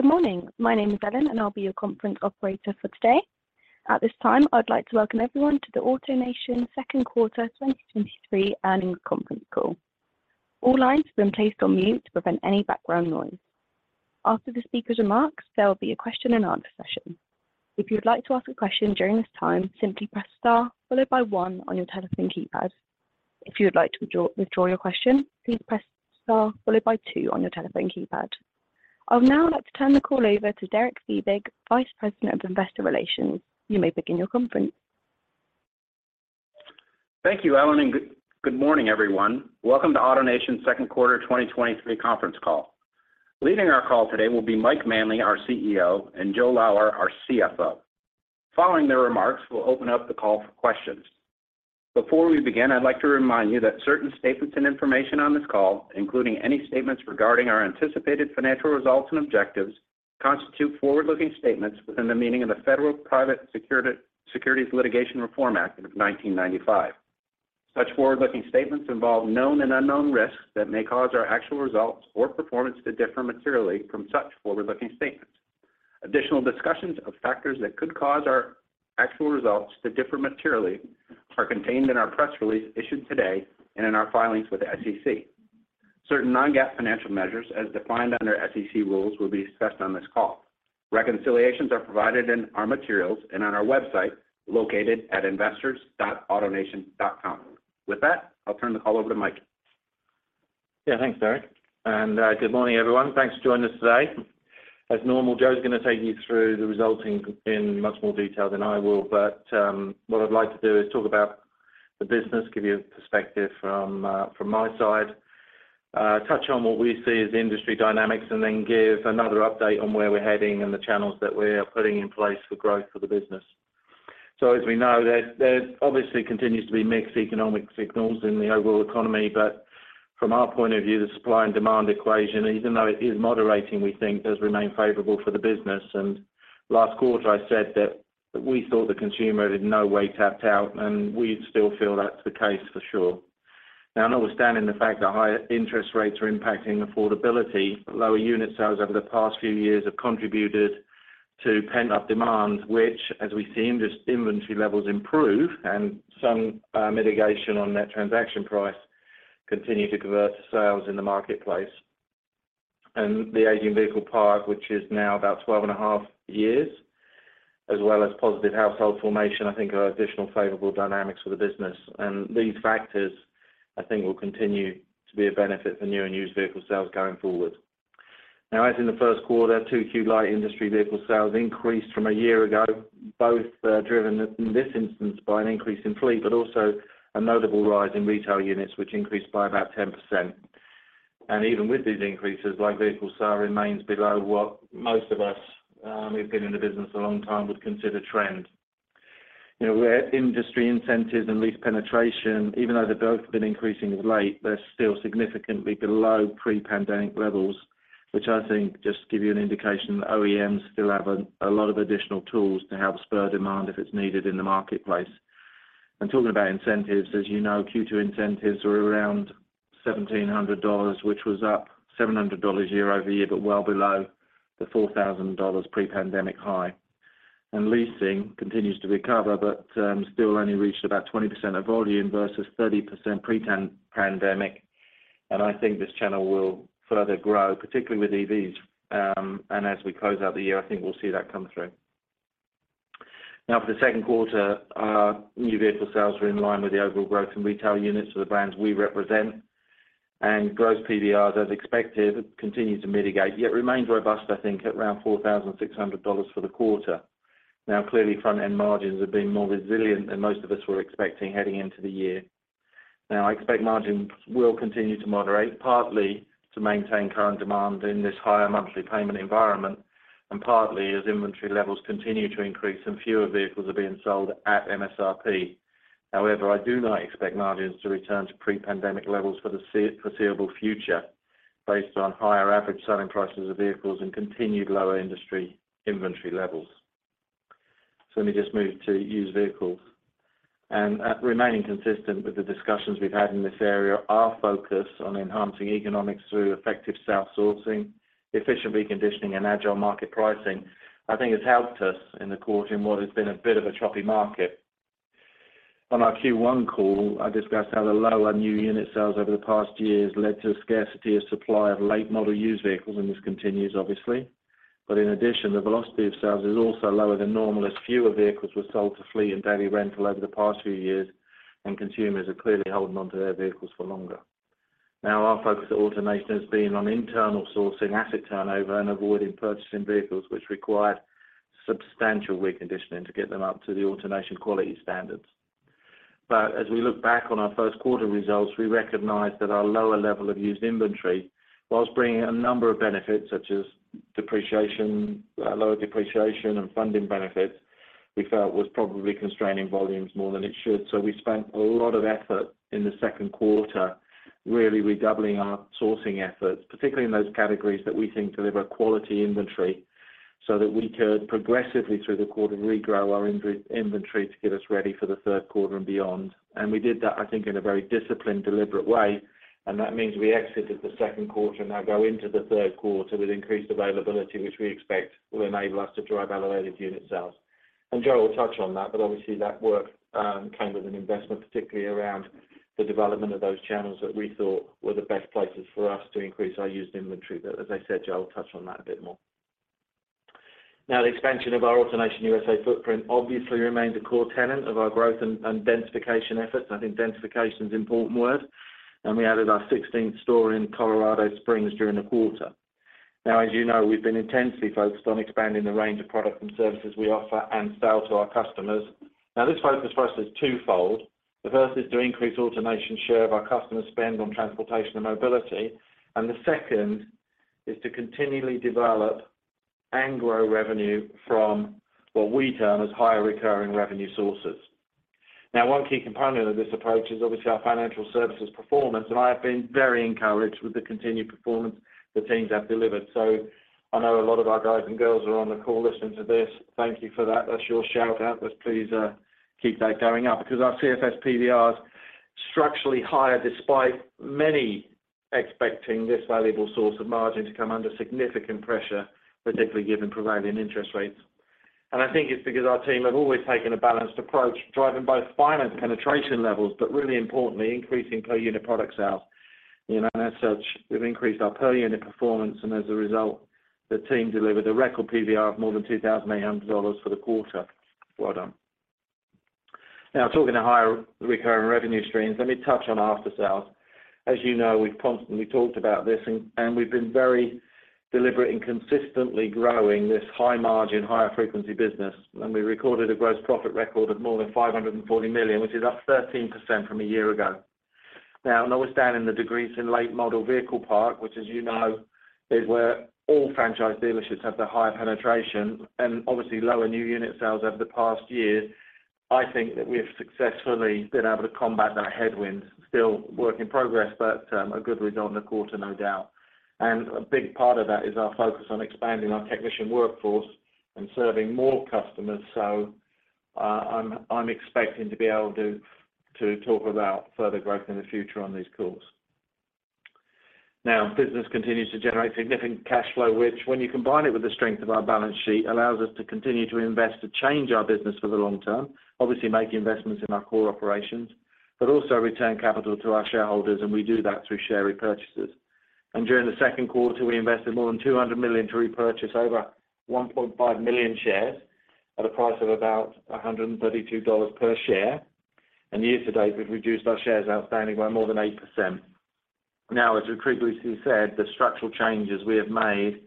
Good morning. My name is Ellen, and I'll be your conference operator for today. At this time, I'd like to welcome everyone to the AutoNation Second Quarter 2023 Earnings Conference Call. All lines have been placed on mute to prevent any background noise. After the speaker's remarks, there will be a Q&A session. If you'd like to ask a question during this time, simply press star followed by one on your telephone keypad. If you would like to withdraw your question, please press star followed by two on your telephone keypad. I'd now like to turn the call over to Derek Fiebig, Vice President of Investor Relations. You may begin your conference. Thank you, Ellen, good morning, everyone. Welcome to the AutoNation Second Quarter 2023 Conference Call. Leading our call today will be Mike Manley, our CEO, and Joe Lower, our CFO. Following their remarks, we'll open up the call for questions. Before we begin, I'd like to remind you that certain statements and information on this call, including any statements regarding our anticipated financial results and objectives, constitute forward-looking statements within the meaning of the Federal Private Securities Litigation Reform Act of 1995. Such forward-looking statements involve known and unknown risks that may cause our actual results or performance to differ materially from such forward-looking statements. Additional discussions of factors that could cause our actual results to differ materially are contained in our press release issued today and in our filings with the SEC. Certain non-GAAP financial measures, as defined under SEC rules, will be discussed on this call. Reconciliations are provided in our materials and on our website, located at investors.autonation.com. With that, I'll turn the call over to Mike. Yeah, thanks, Derek. Good morning, everyone. Thanks for joining us today. As normal, Joe's gonna take you through the results in much more detail than I will. What I'd like to do is talk about the business, give you a perspective from my side. Touch on what we see as industry dynamics, then give another update on where we're heading and the channels that we are putting in place for growth of the business. As we know, there obviously continue to be mixed economic signals in the overall economy. From our point of view, the supply and demand equation, even though it is moderating, we think, does remain favorable for the business. Last quarter, I said that we thought the consumer had no way tapped out, and we still feel that's the case for sure. Now, notwithstanding the fact that higher interest rates are impacting affordability, lower unit sales over the past few years have contributed to pent-up demand, which, as we see in this inventory levels improve and some mitigation on net transaction price, continue to convert to sales in the marketplace. The aging vehicle park, which is now about twelve and a half years, as well as positive household formation, I think are additional favorable dynamics for the business, and these factors, I think, will continue to be a benefit for new and used vehicle sales going forward. Now, as in the first quarter, 2Q light industry vehicle sales increased from a year ago, both driven in this instance by an increase in fleet, but also a notable rise in retail units, which increased by about 10%. Even with these increases, light vehicle sale remains below what most of us, we've been in the business a long time, would consider trend. You know, where industry incentives and lease penetration, even though they both have been increasing as late, they're still significantly below pre-pandemic levels, which I think just give you an indication that OEMs still have a lot of additional tools to help spur demand if it's needed in the marketplace. Talking about incentives, as you know, Q2 incentives were around $1,700, which was up $700 year-over-year, but well below the $4,000 pre-pandemic high. Leasing continues to recover, but still only reached about 20% of volume versus 30% pre-pandemic. I think this channel will further grow, particularly with EVs. As we close out the year, I think we'll see that come through. For the second quarter, new vehicle sales were in line with the overall growth in retail units of the brands we represent, and gross PBRs, as expected, continued to mitigate, yet remains robust, I think, at around $4,600 for the quarter. Clearly, front-end margins have been more resilient, and most of us were expecting heading into the year. I expect margins will continue to moderate, partly to maintain current demand in this higher monthly payment environment, and partly as inventory levels continue to increase and fewer vehicles are being sold at MSRP. However, I do not expect margins to return to pre-pandemic levels for the foreseeable future, based on higher average selling prices of vehicles and continued lower industry inventory levels. Let me just move to used vehicles. Remaining consistent with the discussions we've had in this area, our focus on enhancing economics through effective self-sourcing, efficient reconditioning, and agile market pricing, I think, has helped us in the quarter in what has been a bit of a choppy market. On our Q1 call, I discussed how the lower new unit sales over the past years led to a scarcity of supply of late-model used vehicles, and this continues, obviously. In addition, the velocity of sales is also lower than normal, as fewer vehicles were sold to fleet and daily rental over the past few years, and consumers are clearly holding onto their vehicles for longer. Now, our focus at AutoNation has been on internal sourcing, asset turnover, and avoiding purchasing vehicles, which required substantial reconditioning to get them up to the AutoNation quality standards. As we look back on our first quarter results, we recognize that our lower level of used inventory, whilst bringing a number of benefits such as depreciation, lower depreciation, and funding benefits, we felt was probably constraining volumes more than it should. We spent a lot of effort in the second quarter, really redoubling our sourcing efforts, particularly in those categories that we think deliver quality inventory, so that we could progressively through the quarter regrow our inventory to get us ready for the third quarter and beyond. We did that, I think, in a very disciplined, deliberate way, and that means we exited the second quarter and now go into the third quarter with increased availability, which we expect will enable us to drive elevated unit sales. Joe will touch on that, but obviously, that work came with an investment, particularly around the development of those channels that we thought were the best places for us to increase our used inventory. As I said, Joe will touch on that a bit more. The expansion of our AutoNation USA footprint obviously remains a core tenet of our growth and densification efforts. I think densification is an important word. We added our 16th store in Colorado Springs during the quarter. As you know, we've been intensely focused on expanding the range of products and services we offer and sell to our customers. This focus for us is two-fold: the first is to increase AutoNation share of our customer spend on transportation and mobility, and the second is to continually develop and grow revenue from what we term as higher recurring revenue sources. One key component of this approach is obviously our financial services performance, and I have been very encouraged with the continued performance the teams have delivered. I know a lot of our guys and girls are on the call listening to this. Thank you for that. That's your shout-out, but please keep that going up, because our CFS PBRs is structurally higher, despite many expecting this valuable source of margin to come under significant pressure, particularly given prevailing interest rates. I think it's because our team have always taken a balanced approach, driving both finance penetration levels, but really importantly, increasing per unit product sales. You know, as such, we've increased our per unit performance, and as a result, the team delivered a record PBR of more than $2,800 for the quarter. Well done. Now, talking to higher recurring revenue streams, let me touch on after-sales. As you know, we've constantly talked about this, and we've been very deliberate in consistently growing this high margin, higher frequency business. We recorded a gross profit record of more than $540 million, which is up 13% from a year-ago. Notwithstanding the degrees in late model vehicle park, which, as you know, is where all franchise dealerships have the higher penetration and obviously lower new unit sales over the past year, I think that we have successfully been able to combat that headwind, still work in progress, but, a good result in the quarter, no doubt. A big part of that is our focus on expanding our technician workforce and serving more customers. I'm expecting to be able to talk about further growth in the future on these calls. Now, business continues to generate significant cash flow, which, when you combine it with the strength of our balance sheet, allows us to continue to invest, to change our business for the long term, obviously make investments in our core operations, but also return capital to our shareholders, and we do that through share repurchases. During the second quarter, we invested more than $200 million to repurchase over 1.5 million shares at a price of about $132 per share. Year to date, we've reduced our shares outstanding by more than 8%. As we previously said, the structural changes we have made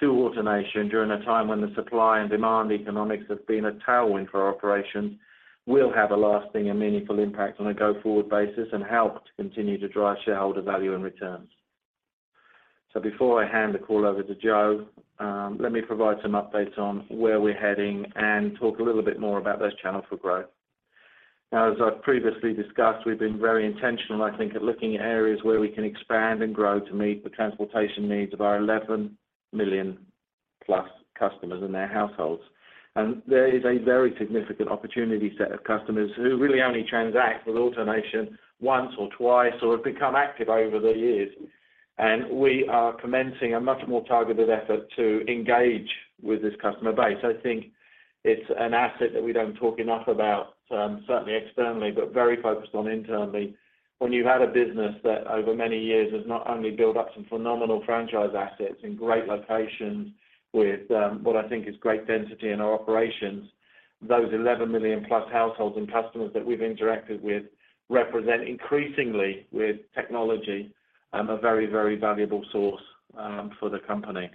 to AutoNation during a time when the supply and demand economics have been a tailwind for our operations, will have a lasting and meaningful impact on a go-forward basis and help to continue to drive shareholder value and returns. Before I hand the call over to Joe, let me provide some updates on where we're heading and talk a little bit more about those channels for growth. As I've previously discussed, we've been very intentional, I think, at looking at areas where we can expand and grow to meet the transportation needs of our 11 million+ customers and their households. There is a very significant opportunity set of customers who really only transact with AutoNation once or twice or have become active over the years. We are commencing a much more targeted effort to engage with this customer base. I think it's an asset that we don't talk enough about, certainly externally, but very focused on internally. When you've had a business that over many years has not only built up some phenomenal franchise assets in great locations with, what I think is great density in our operations, those 11 million plus households and customers that we've interacted with represent increasingly with technology, a very, very valuable source for the company.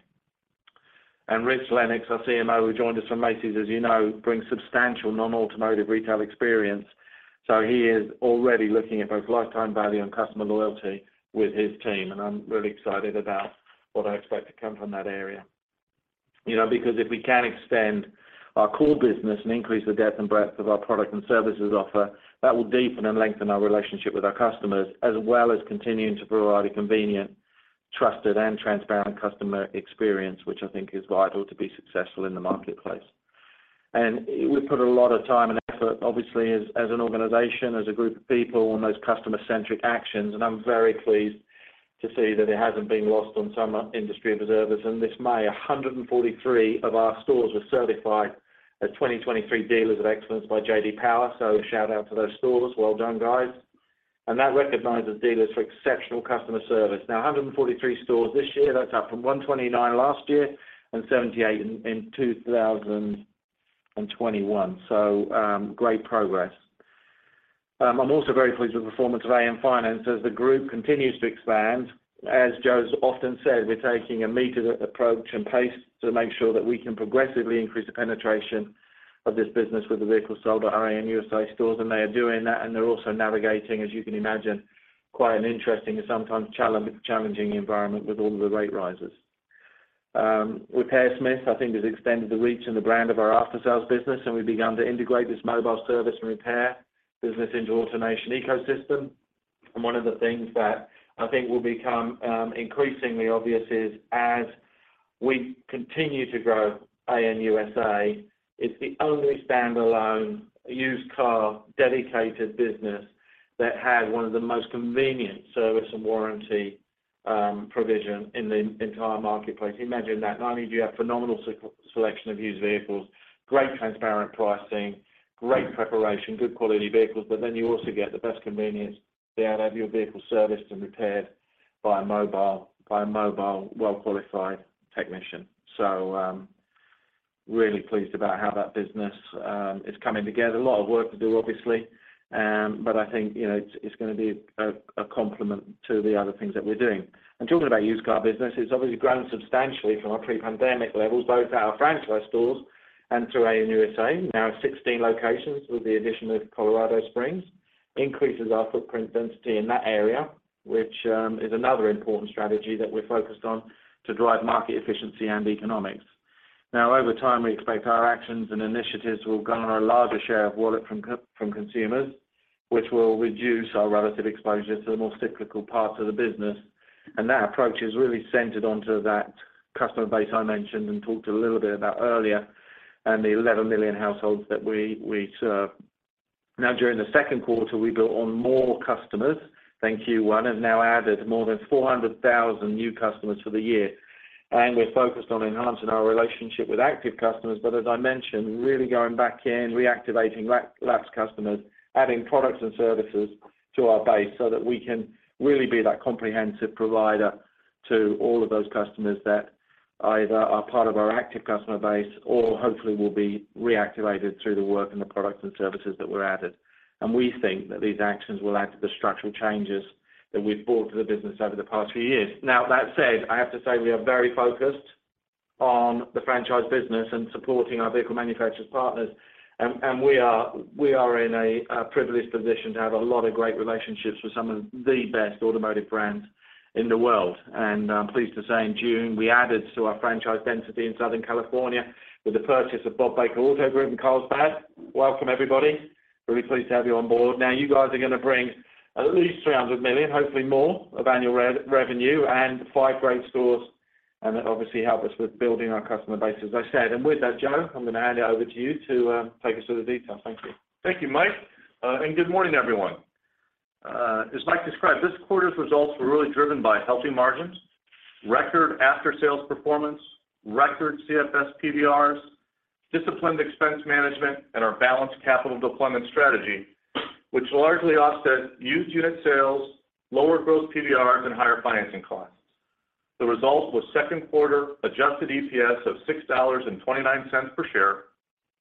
Rich Lennox, our CMO, who joined us from Macy's, as you know, brings substantial non-automotive retail experience. He is already looking at both lifetime value and customer loyalty with his team, and I'm really excited about what I expect to come from that area. You know, because if we can extend our core business and increase the depth and breadth of our product and services offer, that will deepen and lengthen our relationship with our customers, as well as continuing to provide a convenient, trusted, and transparent customer experience, which I think is vital to be successful in the marketplace. We put a lot of time and effort, obviously, as an organization, as a group of people on those customer-centric actions. I'm very pleased to see that it hasn't been lost on some industry observers. This May, 143 of our stores were certified as 2023 Dealers of Excellence by J.D. Power. Shout out to those stores. Well done, guys. That recognizes dealers for exceptional customer service. 143 stores this year. That's up from 129 last year and 78 in 2021. great progress. I'm also very pleased with the performance of AN Finance as the group continues to expand. As Joe's often said, we're taking a measured approach and pace to make sure that we can progressively increase the penetration of this business with the vehicles sold at our AN USA stores. They are doing that, and they're also navigating, as you can imagine, quite an interesting and sometimes challenging environment with all the rate rises. With RepairSmith, I think, has extended the reach and the brand of our after-sales business, and we've begun to integrate this mobile service and repair business into AutoNation ecosystem. One of the things that I think will become increasingly obvious is as we continue to grow AN USA, it's the only standalone used car dedicated business that has one of the most convenient service and warranty provision in the entire marketplace. Imagine that, not only do you have phenomenal selection of used vehicles, great transparent pricing, great preparation, good quality vehicles, but then you also get the best convenience to have your vehicle serviced and repaired by a mobile, well-qualified technician. Really pleased about how that business is coming together. A lot of work to do, obviously, but I think, you know, it's gonna be a complement to the other things that we're doing. Talking about used car business, it's obviously grown substantially from our pre-pandemic levels, both our franchise stores and through AN USA. Sixteen locations with the addition of Colorado Springs, increases our footprint density in that area, which is another important strategy that we're focused on to drive market efficiency and economics. Over time, we expect our actions and initiatives will garner a larger share of wallet from consumers, which will reduce our relative exposure to the more cyclical parts of the business, and that approach is really centered onto that customer base I mentioned and talked a little bit about earlier, and the 11 million households that we serve. During the second quarter, we built on more customers than Q1 and now added more than 400,000 new customers for the year. We're focused on enhancing our relationship with active customers, but as I mentioned, really going back in, reactivating lapsed customers, adding products and services to our base so that we can really be that comprehensive provider to all of those customers that either are part of our active customer base or hopefully will be reactivated through the work and the products and services that were added. We think that these actions will add to the structural changes that we've brought to the business over the past few years. Now, that said, I have to say we are very focused on the franchise business and supporting our vehicle manufacturers partners. We are in a privileged position to have a lot of great relationships with some of the best automotive brands in the world. I'm pleased to say in June, we added to our franchise density in Southern California with the purchase of Bob Baker Auto Group in Carlsbad. Welcome, everybody. Very pleased to have you on board. You guys are gonna bring at least $300 million, hopefully more, of annual revenue and five great stores, and then obviously help us with building our customer base, as I said. With that, Joe, I'm gonna hand it over to you to take us through the details. Thank you. Thank you, Mike, good morning, everyone. As Mike described, this quarter's results were really driven by healthy margins, record after-sales performance, record CFS PBRs, disciplined expense management, and our balanced capital deployment strategy, which largely offset used unit sales, lower growth PBRs, and higher financing costs. The result was second-quarter adjusted EPS of $6.29 per share,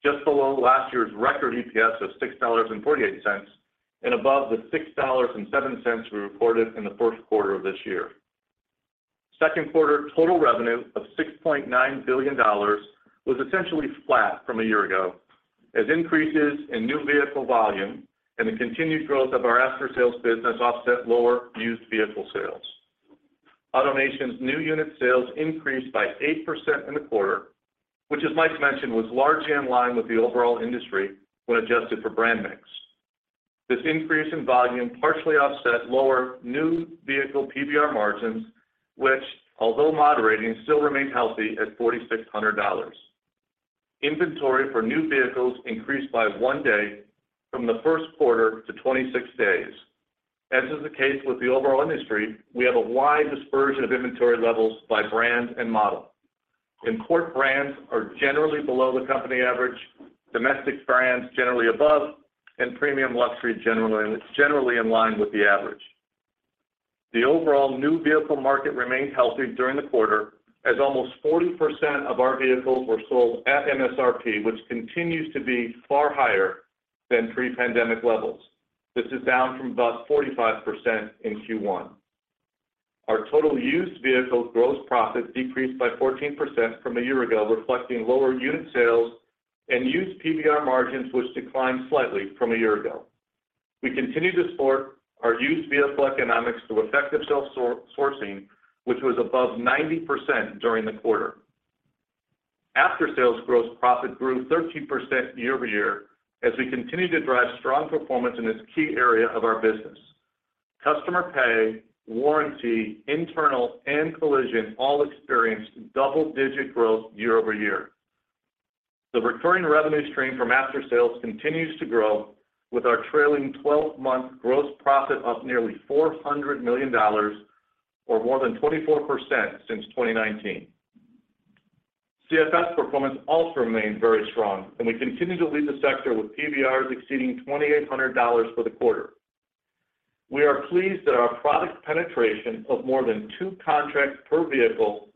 just below last year's record EPS of $6.48, above the $6.07 we reported in the first quarter of this year. Second quarter total revenue of $6.9 billion was essentially flat from a year ago, as increases in new vehicle volume and the continued growth of our after-sales business offset lower used vehicle sales. AutoNation's new unit sales increased by 8% in the quarter, which, as Mike mentioned, was largely in line with the overall industry when adjusted for brand mix. This increase in volume partially offset lower new vehicle PBR margins, which, although moderating, still remains healthy at $4,600. Inventory for new vehicles increased by one day from the first quarter to 26 days. As is the case with the overall industry, we have a wide dispersion of inventory levels by brand and model. Import brands are generally below the company average, domestic brands, generally above, and premium luxury, it's generally in line with the average. The overall new vehicle market remained healthy during the quarter, as almost 40% of our vehicles were sold at MSRP, which continues to be far higher than pre-pandemic levels. This is down from about 45% in Q1. Our total used vehicle gross profit decreased by 14% from a year ago, reflecting lower unit sales and used PBR margins, which declined slightly from a year ago. We continue to support our used vehicle economics through effective sales sourcing, which was above 90% during the quarter. After sales, gross profit grew 13% year-over-year as we continued to drive strong performance in this key area of our business. Customer pay, warranty, internal, and collision all experienced double-digit growth year-over-year. The recurring revenue stream from after sales continues to grow, with our trailing 12-month gross profit up nearly $400 million or more than 24% since 2019. CFS performance also remains very strong, and we continue to lead the sector with PBRs exceeding $2,800 for the quarter. We are pleased that our product penetration of more than two contracts per vehicle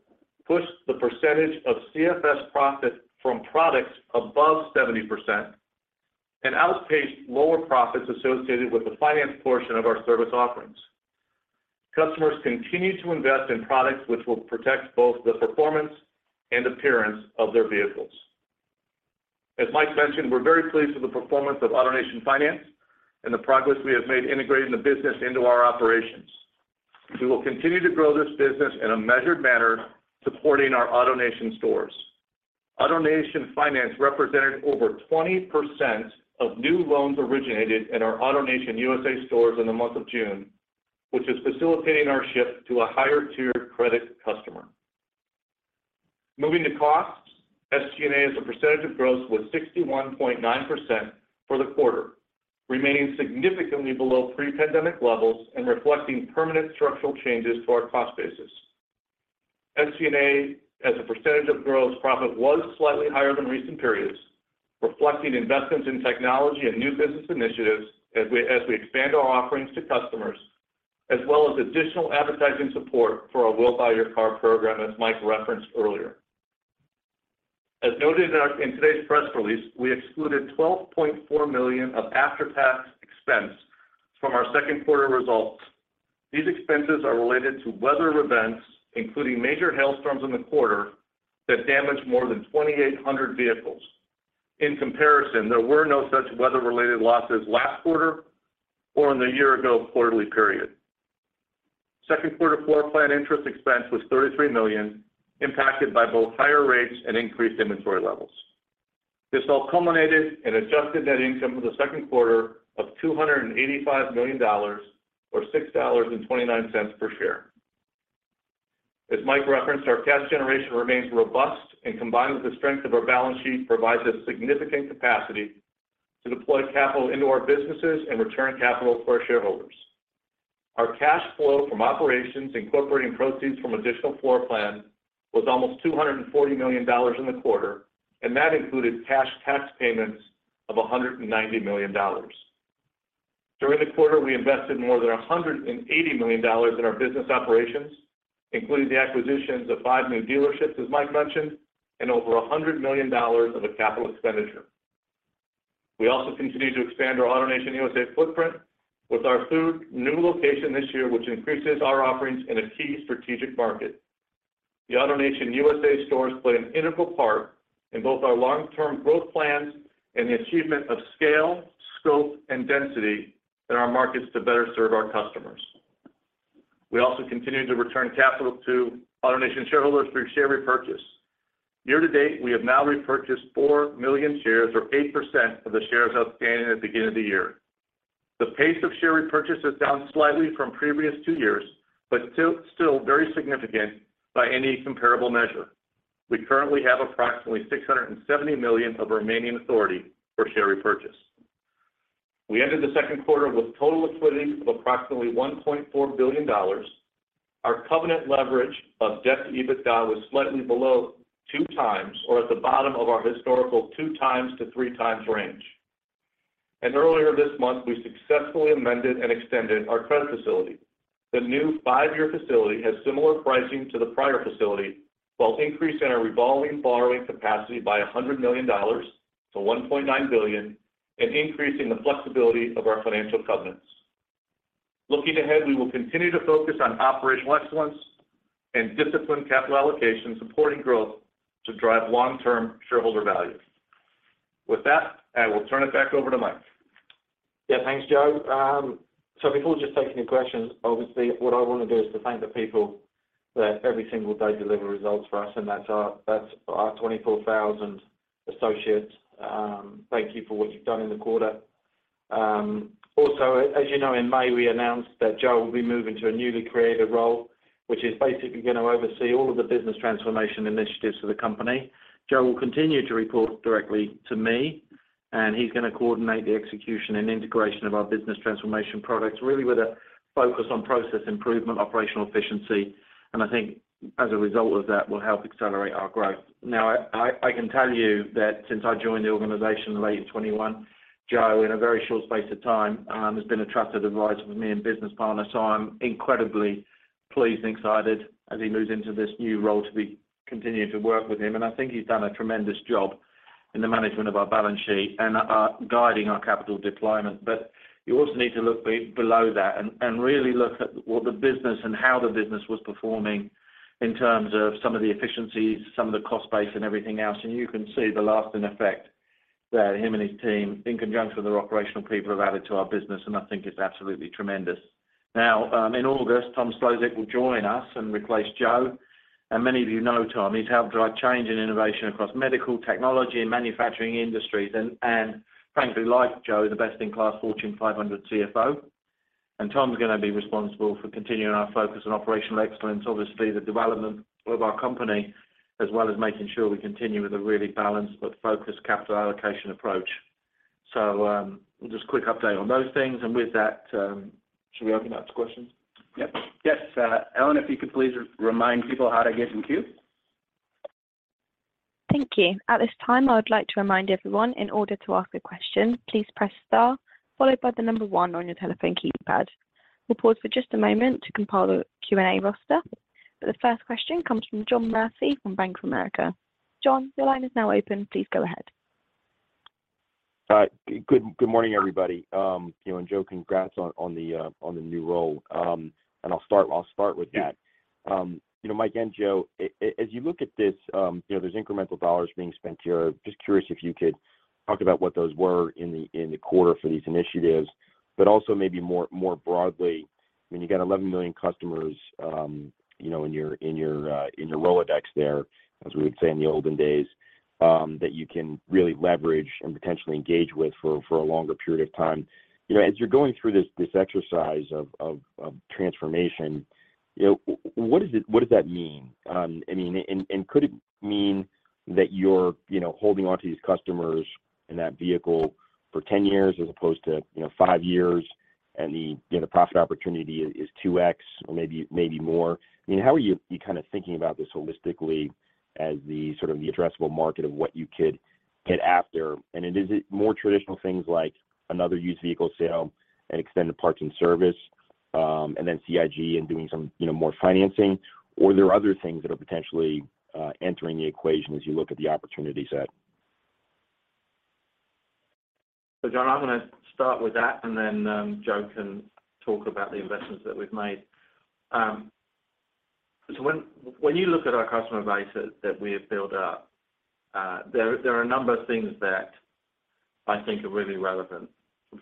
pushed the percentage of CFS profit from products above 70% and outpaced lower profits associated with the finance portion of our service offerings. Customers continue to invest in products which will protect both the performance and appearance of their vehicles. As Mike mentioned, we're very pleased with the performance of AutoNation Finance and the progress we have made integrating the business into our operations. We will continue to grow this business in a measured manner, supporting our AutoNation stores. AutoNation Finance represented over 20% of new loans originated in our AutoNation USA stores in the month of June, which is facilitating our shift to a higher-tier credit customer. Moving to costs, SG&A as a percentage of gross was 61.9% for the quarter, remaining significantly below pre-pandemic levels and reflecting permanent structural changes to our cost basis. SG&A, as a percentage of gross profit, was slightly higher than recent periods, reflecting investments in technology and new business initiatives as we expand our offerings to customers, as well as additional advertising support for our We'll Buy Your Car program, as Mike referenced earlier. As noted in today's press release, we excluded $12.4 million of after-tax expense from our second quarter results. These expenses are related to weather events, including major hailstorms in the quarter, that damaged more than 2,800 vehicles. In comparison, there were no such weather-related losses last quarter or in the year-ago quarterly period. Second quarter floorplan interest expense was $33 million, impacted by both higher rates and increased inventory levels. This all culminated in adjusted net income for the second quarter of $285 million or $6.29 per share. As Mike referenced, our cash generation remains robust and, combined with the strength of our balance sheet, provides us significant capacity to deploy capital into our businesses and return capital to our shareholders. Our cash flow from operations, incorporating proceeds from additional floorplan, was almost $240 million in the quarter, and that included cash tax payments of $190 million. During the quarter, we invested more than $180 million in our business operations, including the acquisitions of five new dealerships, as Mike mentioned, and over $100 million of a capital expenditure. We also continue to expand our AutoNation USA footprint with our third new location this year, which increases our offerings in a key strategic market. The AutoNation USA stores play an integral part in both our long-term growth plans and the achievement of scale, scope, and density in our markets to better serve our customers. We also continue to return capital to AutoNation shareholders through share repurchase. Year to date, we have now repurchased four million shares, or 8% of the shares outstanding at the beginning of the year. The pace of share repurchase is down slightly from previous two years, but still very significant by any comparable measure. We currently have approximately $670 million of remaining authority for share repurchase. We ended the second quarter with total liquidity of approximately $1.4 billion. Our covenant leverage of debt to EBITDA was slightly below two times or at the bottom of our historical 2x-3x range. Earlier this month, we successfully amended and extended our credit facility. The new five-year facility has similar pricing to the prior facility, while increasing our revolving borrowing capacity by $100 million-$1.9 billion and increasing the flexibility of our financial covenants. Looking ahead, we will continue to focus on operational excellence and disciplined capital allocation, supporting growth to drive long-term shareholder value. With that, I will turn it back over to Mike. Yeah. Thanks, Joe. Before just taking your questions, obviously, what I want to do is to thank the people that every single day deliver results for us, and that's our 24,000 associates. Thank you for what you've done in the quarter. Also, as you know, in May, we announced that Joe will be moving to a newly created role, which is basically going to oversee all of the business transformation initiatives for the company. Joe will continue to report directly to me, and he's going to coordinate the execution and integration of our business transformation products, really with a focus on process improvement, operational efficiency, and I think as a result of that, will help accelerate our growth. Now, I can tell you that since I joined the organization in late 2021, Joe, in a very short space of time, has been a trusted advisor for me and business partner. I'm incredibly pleased and excited as he moves into this new role to be continuing to work with him. I think he's done a tremendous job in the management of our balance sheet and guiding our capital deployment. You also need to look below that and really look at what the business and how the business was performing in terms of some of the efficiencies, some of the cost base, and everything else. You can see the lasting effect that him and his team, in conjunction with their operational people, have added to our business, and I think it's absolutely tremendous. Now, in August, Tom Szlosek will join us and replace Joe Lower. Many of you know Tom Szlosek. He's helped drive change and innovation across medical, technology, and manufacturing industries, and frankly, like Joe Lower, the best-in-class Fortune 500 CFO. Tom Szlosek's going to be responsible for continuing our focus on operational excellence, obviously the development of our company, as well as making sure we continue with a really balanced but focused capital allocation approach. Just a quick update on those things. With that, should we open up to questions? Yep. Yes, Ellen, if you could please remind people how to get in queue. Thank you. At this time, I would like to remind everyone, in order to ask a question, please press star followed by the one on your telephone keypad. We'll pause for just a moment to compile a Q&A roster, the first question comes from John Murphy from Bank of America. John, your line is now open. Please go ahead. Good, good morning, everybody. You know, Joe Lower, congrats on the new role. I'll start with that. You know, Mike Manley and Joe Lower, as you look at this, you know, there's incremental dollars being spent here. Just curious if you could talk about what those were in the quarter for these initiatives, but also maybe more, more broadly, when you got 11 million customers, you know, in your Rolodex there, as we would say in the olden days, that you can really leverage and potentially engage with for a longer period of time. You know, as you're going through this exercise of transformation, you know, what does that mean? I mean, and could it mean that you're, you know, holding on to these customers in that vehicle for 10 years as opposed to, you know, five years, and the, you know, the profit opportunity is 2x or maybe more? I mean, how are you kind of thinking about this holistically as the sort of the addressable market of what you could get after? Is it more traditional things like another used vehicle sale and extended parts and service, and then CIG and doing some, you know, more financing, or are there other things that are potentially entering the equation as you look at the opportunity set? John, I'm gonna start with that, and then Joe can talk about the investments that we've made. When you look at our customer base that we have built up, there are a number of things that I think are really relevant.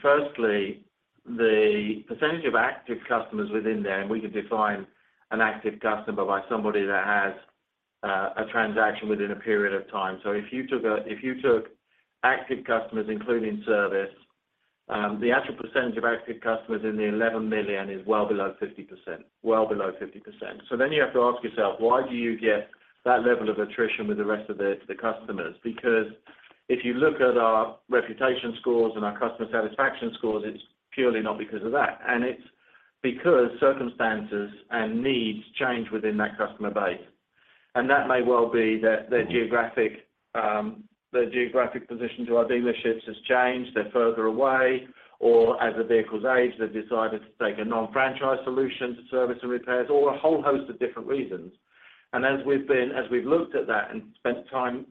Firstly, the percentage of active customers within there, and we could define an active customer by somebody that has a transaction within a period of time. If you took active customers, including service, the actual percentage of active customers in the 11 million is well below 50%. Well below 50%. You have to ask yourself, why do you get that level of attrition with the rest of the customers? If you look at our reputation scores and our customer satisfaction scores, it's purely not because of that, and it's because circumstances and needs change within that customer base. That may well be that their geographic position to our dealerships has changed, they're further away, or as the vehicles age, they've decided to take a non-franchise solution to service and repairs, or a whole host of different reasons. As we've looked at that and spent time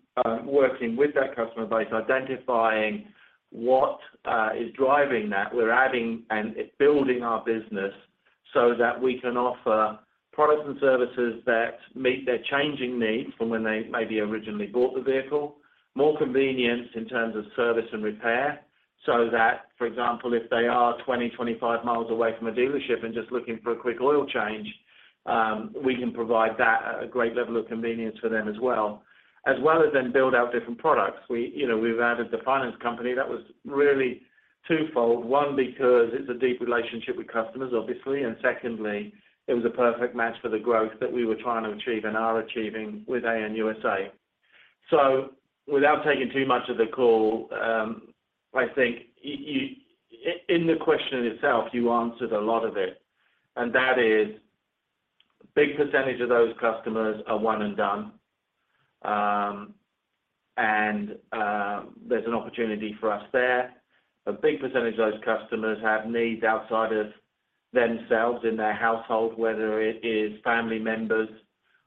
working with that customer base, identifying what is driving that, we're adding and it building our business so that we can offer products and services that meet their changing needs from when they maybe originally bought the vehicle. More convenience in terms of service and repair, so that, for example, if they are 20-25 mi away from a dealership and just looking for a quick oil change, we can provide that at a great level of convenience for them as well, as well as then build out different products. We, you know, we've added the finance company. That was really twofold. One, because it's a deep relationship with customers, obviously, and secondly, it was a perfect match for the growth that we were trying to achieve and are achieving with AN USA. Without taking too much of the call, I think in the question itself, you answered a lot of it, and that is, big percentage of those customers are one and done. And there's an opportunity for us there. A big percentage of those customers have needs outside of themselves in their household, whether it is family members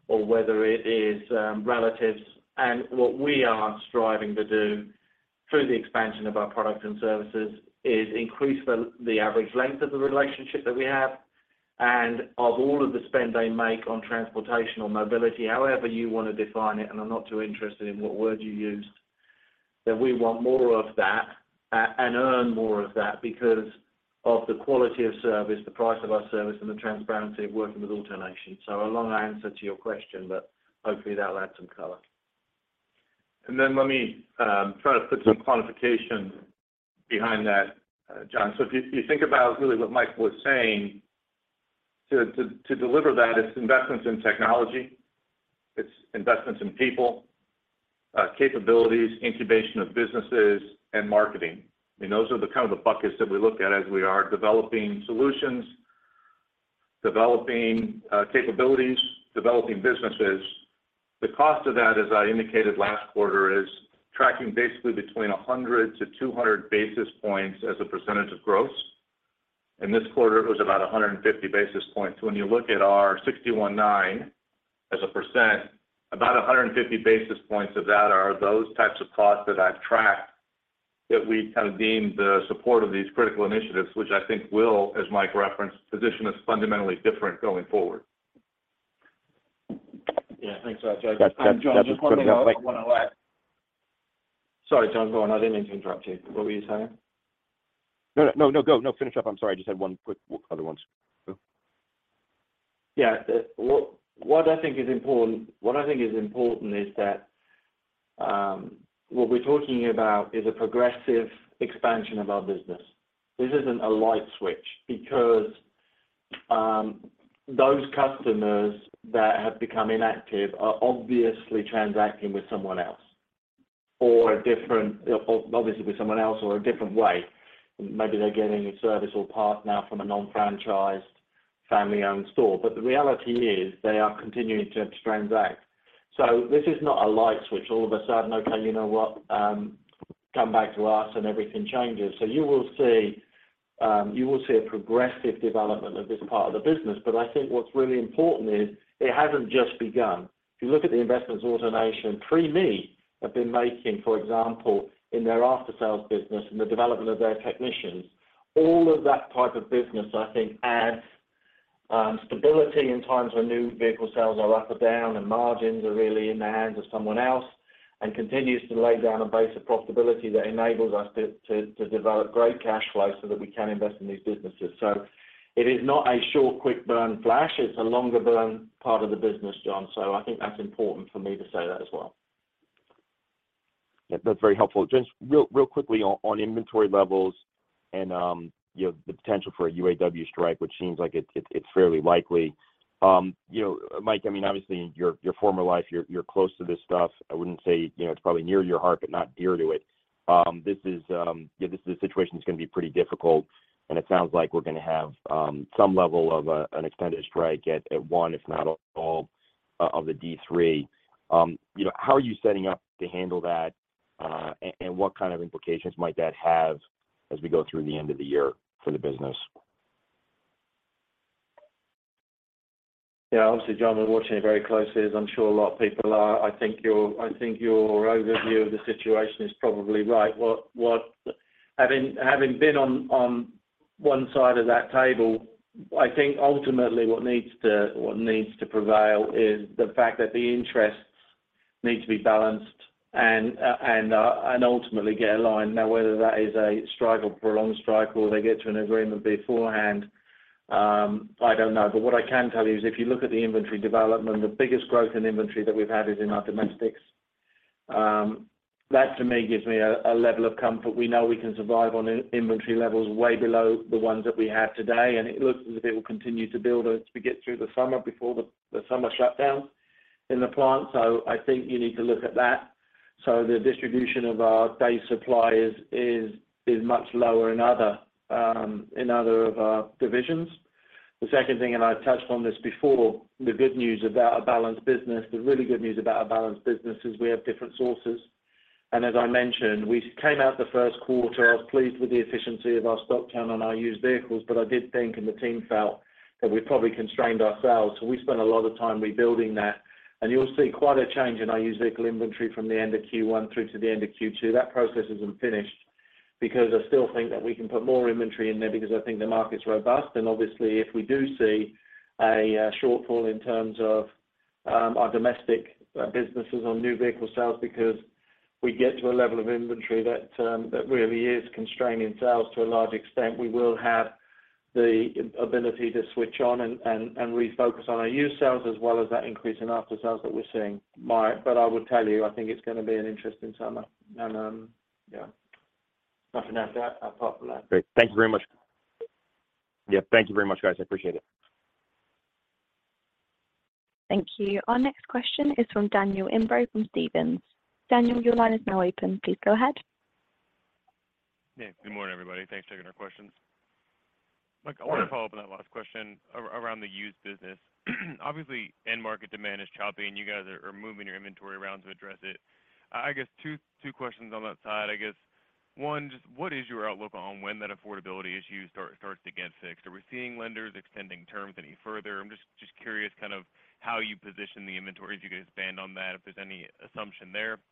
or whether it is, relatives. What we are striving to do through the expansion of our products and services is increase the average length of the relationship that we have, and of all of the spend they make on transportation or mobility, however you want to define it, and I'm not too interested in what word you used, that we want more of that and earn more of that because of the quality of service, the price of our service, and the transparency of working with AutoNation. A long answer to your question, but hopefully, that'll add some color. Let me try to put some quantification behind that, John. If you think about really what Mike was saying, to deliver that, it's investments in technology, it's investments in people, capabilities, incubation of businesses, and marketing. I mean, those are the kind of the buckets that we look at as we are developing solutions, developing capabilities, developing businesses. The cost of that, as I indicated last quarter, is tracking basically between 100-200 basis points as a percentage of growth. In this quarter, it was about 150 basis points. When you look at our 61.9 as a percent, about 150 basis points of that are those types of costs that I've tracked, that we kind of deemed the support of these critical initiatives, which I think will, as Mike referenced, position us fundamentally different going forward. Yeah, thanks for that, Joe. John, just one last- That's good. Sorry, John, go on. I didn't mean to interrupt you. What were you saying? No, no, go. No, finish up. I'm sorry. I just had one quick other one. Yeah. What I think is important is that what we're talking about is a progressive expansion of our business. This isn't a light switch because those customers that have become inactive are obviously transacting with someone else or a different way. Maybe they're getting a service or part now from a non-franchised, family-owned store. The reality is, they are continuing to transact. This is not a light switch. All of a sudden, okay, you know what, come back to us, everything changes. You will see a progressive development of this part of the business, I think what's really important is it hasn't just begun. If you look at the investments AutoNation pre me, have been making, for example, in their after-sales business and the development of their technicians. All of that type of business, I think, adds stability in times when new vehicle sales are up or down, and margins are really in the hands of someone else, and continues to lay down a base of profitability that enables us to develop great cash flow so that we can invest in these businesses. It is not a short, quick burn flash. It's a longer burn part of the business, John. I think that's important for me to say that as well. Yeah, that's very helpful. Just real quickly on inventory levels and, you know, the potential for a UAW strike, which seems like it's fairly likely. You know, Mike, I mean, obviously, in your former life, you're close to this stuff. I wouldn't say, you know, it's probably near your heart, but not dear to it. This is, yeah, this situation is gonna be pretty difficult, and it sounds like we're gonna have some level of an extended strike at one, if not all, of the D3. You know, how are you setting up to handle that and what kind of implications might that have as we go through the end of the year for the business? Yeah, obviously, John, we're watching it very closely, as I'm sure a lot of people are. I think your overview of the situation is probably right. Having been on one side of that table, I think ultimately, what needs to prevail is the fact that the interests need to be balanced and ultimately get aligned. Whether that is a strike or prolonged strike or they get to an agreement beforehand, I don't know. What I can tell you is, if you look at the inventory development, the biggest growth in inventory that we've had is in our domestics. That, to me, gives me a level of comfort. We know we can survive on inventory levels way below the ones that we have today, and it looks as if it will continue to build as we get through the summer before the summer shutdown in the plant. I think you need to look at that. The distribution of our day supplies is much lower in other of our divisions. The second thing, and I touched on this before, the good news about a balanced business, the really good news about a balanced business is we have different sources. As I mentioned, we came out the first quarter, I was pleased with the efficiency of our stock turn on our used vehicles, but I did think, and the team felt, that we probably constrained ourselves, so we spent a lot of time rebuilding that. You'll see quite a change in our used vehicle inventory from the end of Q1 through to the end of Q2. That process isn't finished because I still think that we can put more inventory in there because I think the market's robust. Obviously, if we do see a shortfall in terms of our domestic businesses on new vehicle sales, because we get to a level of inventory that really is constraining sales to a large extent, we will have the ability to switch on and refocus on our used sales, as well as that increase in after-sales that we're seeing. I will tell you, I think it's gonna be an interesting summer, and yeah. Nothing to add apart from that. Great. Thank you very much. Yeah, thank you very much, guys. I appreciate it. Thank you. Our next question is from Daniel Imbro from Stephens. Daniel, your line is now open. Please go ahead. Yeah, good morning, everybody. Thanks for taking our questions. Look, I want to follow up on that last question around the used business. Obviously, end market demand is choppy, and you guys are moving your inventory around to address it. I guess two questions on that side. I guess one, just what is your outlook on when that affordability issue starts to get fixed? Are we seeing lenders extending terms any further? I'm just curious, kind of, how you position the inventory. If you could expand on that, if there's any assumption there.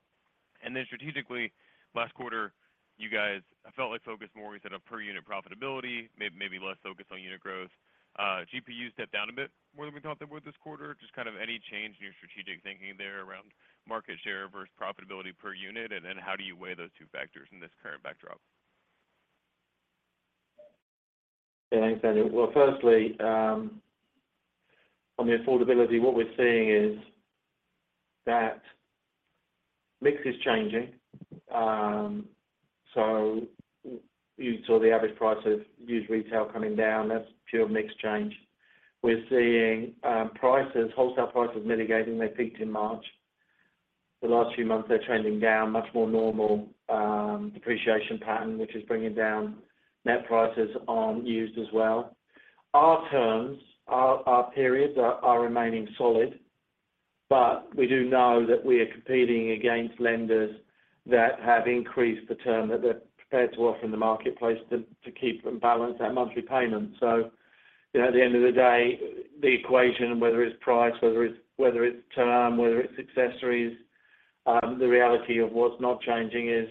Then strategically, last quarter, you guys, I felt like, focused more within a per unit profitability, maybe less focused on unit growth. GPU stepped down a bit more than we thought they would this quarter. Just kind of any change in your strategic thinking there around market share versus profitability per unit, and then how do you weigh those two factors in this current backdrop? Yeah, thanks, Daniel. Well, firstly, on the affordability, what we're seeing is that mix is changing. You saw the average price of used retail coming down. That's pure mix change. We're seeing prices, wholesale prices mitigating. They peaked in March. The last few months, they're trending down, much more normal depreciation pattern, which is bringing down net prices on used as well. Our terms, our periods are remaining solid, but we do know that we are competing against lenders that have increased the term that they're prepared to offer in the marketplace to keep them balanced, our monthly payments. You know, at the end of the day, the equation, whether it's price, whether it's term, whether it's accessories, the reality of what's not changing is,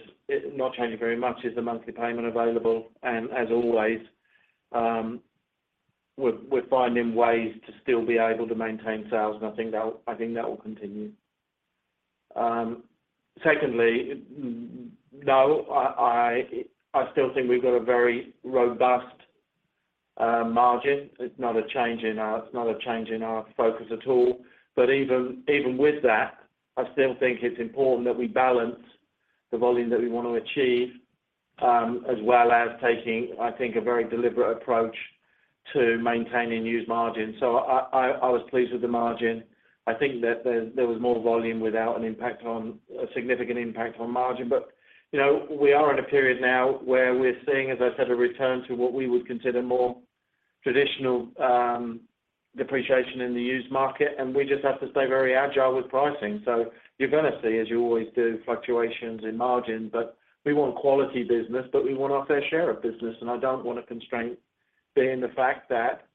not changing very much, is the monthly payment available. As always, we're finding ways to still be able to maintain sales, and I think that will continue. Secondly, no, I still think we've got a very robust margin. It's not a change in our focus at all. Even with that, I still think it's important that we balance the volume that we want to achieve, as well as taking, I think, a very deliberate approach to maintaining used margin. I was pleased with the margin. I think that there was more volume without an impact on. A significant impact on margin. You know, we are in a period now where we're seeing, as I said, a return to what we would consider more traditional, depreciation in the used market, and we just have to stay very agile with pricing. You're gonna see, as you always do, fluctuations in margin, but we want quality business, but we want our fair share of business. I don't want a constraint being the fact that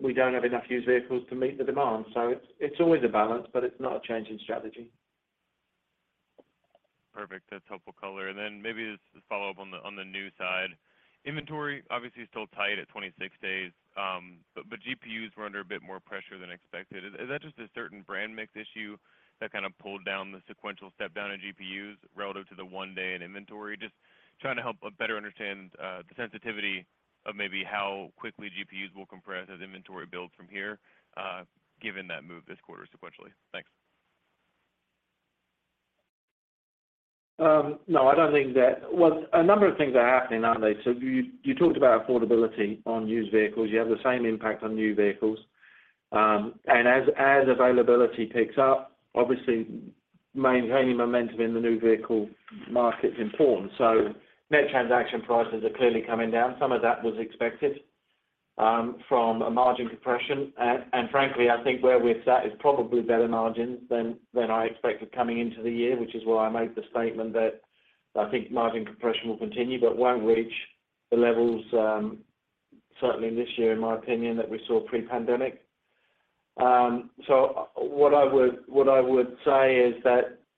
we don't have enough used vehicles to meet the demand. It's always a balance, but it's not a change in strategy. Perfect. That's helpful color. Then maybe just to follow up on the new side. Inventory obviously still tight at 26 days, but GPUs were under a bit more pressure than expected. Is that just a certain brand mix issue that kind of pulled down the sequential step down in GPUs relative to the day in inventory? Just trying to help better understand the sensitivity of maybe how quickly GPUs will compress as inventory builds from here, given that move this quarter sequentially. Thanks. No, I don't think. Well, a number of things are happening, aren't they? You talked about affordability on used vehicles. You have the same impact on new vehicles. As availability picks up, obviously maintaining momentum in the new vehicle market is important. Net transaction prices are clearly coming down. Some of that was expected from a margin compression. Frankly, I think where we're at is probably better margins than I expected coming into the year, which is why I made the statement that I think margin compression will continue, but won't reach the levels certainly this year, in my opinion, that we saw pre-pandemic. What I would say is.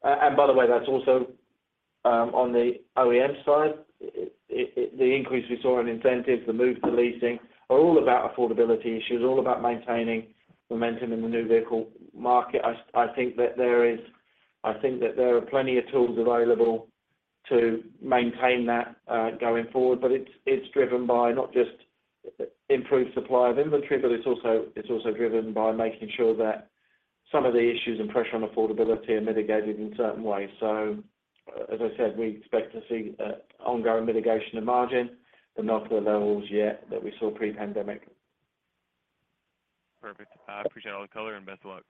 By the way, that's also on the OEM side. The increase we saw in incentives, the move to leasing, are all about affordability issues, all about maintaining momentum in the new vehicle market. I think that there are plenty of tools available to maintain that going forward, but it's driven by not just improved supply of inventory, but it's also driven by making sure that some of the issues and pressure on affordability are mitigated in certain ways. As I said, we expect to see ongoing mitigation of margin, but not to the levels yet that we saw pre-pandemic. Perfect. I appreciate all the color, and best of luck.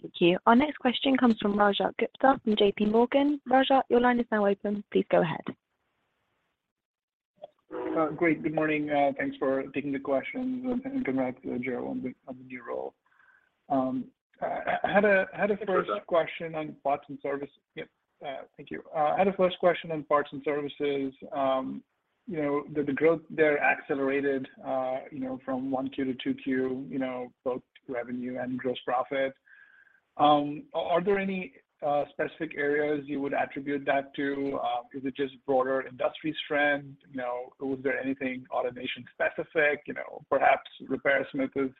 Thank you. Our next question comes from Rajat Gupta from JP Morgan. Raja, your line is now open. Please go ahead. Great. Good morning, thanks for taking the questions, and congrats, Joe, on the new role. I had a first question on parts and service. Yep, thank you. I had a first question on parts and services, you know, the growth there accelerated, you know, from 1Q to 2Q, you know, both revenue and gross profit. Are there any specific areas you would attribute that to? Is it just broader industries trend? You know, was there anything AutoNation specific, you know, perhaps RepairSmith is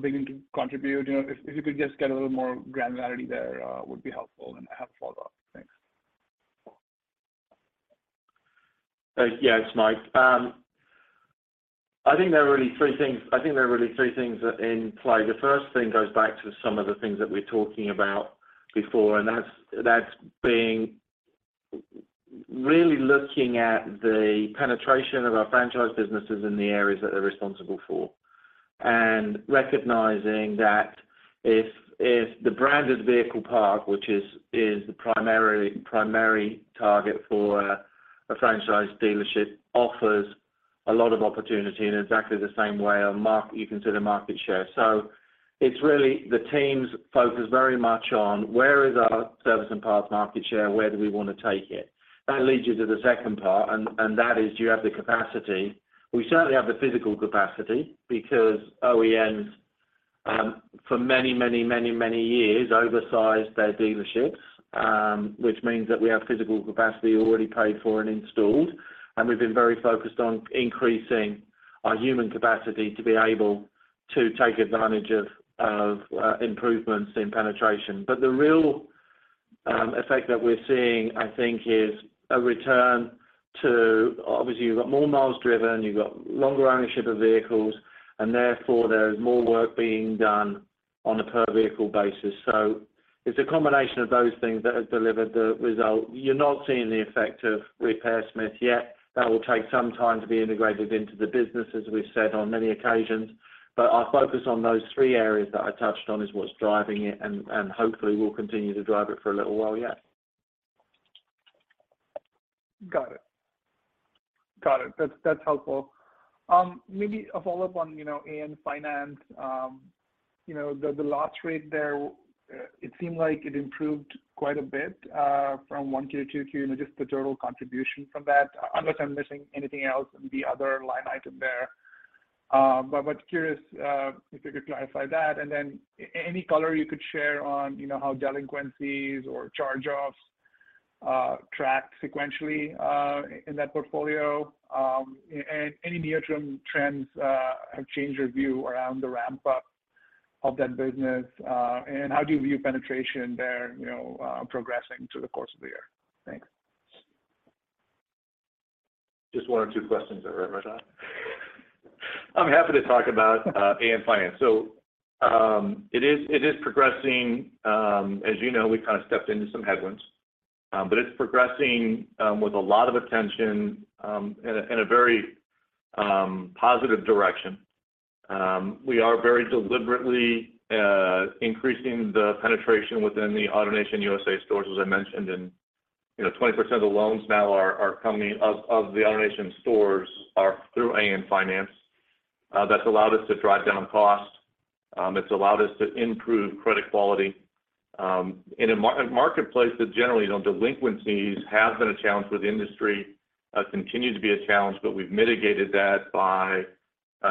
beginning to contribute? You know, if you could just get a little more granularity there, would be helpful, and I have a follow-up. Thanks. Yeah, it's Mike. I think there are really three things at play. The first thing goes back to some of the things that we're talking about before, and that's being really looking at the penetration of our franchise businesses in the areas that they're responsible for, and recognizing that if the branded vehicle park, which is the primary target for a franchise dealership, offers a lot of opportunity in exactly the same way you consider market share. It's really the teams focus very much on where is our service and parts market share, where do we want to take it? That leads you to the second part, and that is, do you have the capacity? We certainly have the physical capacity because OEMs, for many, many, many, many years, oversized their dealerships, which means that we have physical capacity already paid for and installed, and we've been very focused on increasing our human capacity to be able to take advantage of improvements in penetration. The real effect that we're seeing, I think, is a return to... Obviously, you've got more knowledge-driven, you've got longer ownership of vehicles, and therefore, there is more work being done on a per-vehicle basis. It's a combination of those things that have delivered the result. You're not seeing the effect of RepairSmith yet. That will take some time to be integrated into the bussiness, as we've said on many occasions. Our focus on those three areas that I touched on is what's driving it, and hopefully will continue to drive it for a little while yet. Got it. Got it. That's helpful. Maybe a follow-up on, you know, AN Finance. You know, the loss rate there, it seemed it improved quite a bit, from 1Q to 2Q, and just the total contribution from that, unless I'm missing anything else in the other line item there. Curious, if you could clarify that, and then any color you could share on, you know, how delinquencies or charge-offs, track sequentially, in that portfolio, and any near-term trends, have changed your view around the ramp-up of that business, and how do you view penetration there, you know, progressing through the course of the year? Thanks. Just one or two questions there, Rajat? I'm happy to talk about AN Finance. It is progressing. As you know, we kind of stepped into some headwinds, but it's progressing with a lot of attention in a very positive direction. We are very deliberately increasing the penetration within the AutoNation USA stores, as I mentioned, and, you know, 20% of the loans now are coming of the AutoNation stores are through AN Finance. That's allowed us to drive down costs, it's allowed us to improve credit quality. In a marketplace that generally, you know, delinquencies have been a challenge for the industry, continue to be a challenge, but we've mitigated that by